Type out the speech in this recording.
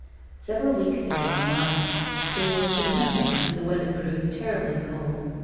Several weeks had gone by; they were in December, and the weather proved terribly cold.